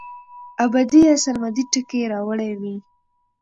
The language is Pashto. ابدي يا سرمدي ټکي راوړي وے